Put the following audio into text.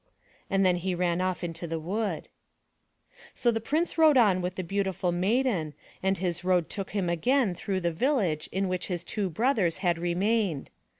'' And then he ran off into the wood. So the Prince rode on with the beautiful maiden and his road 299 MY BOOK HOUSE took him again through the village in which his two brothers had remained.